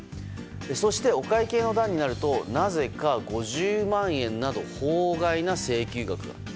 そして、お会計の段になるとなぜか５０万円など法外な請求額が。